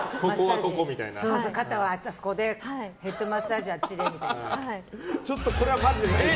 肩はあそこでヘッドマッサージはあっちでみたいな。